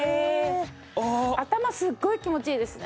頭すごい気持ちいいですね。